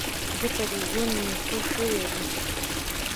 ځکه چې ژوند یې ښه شوی دی.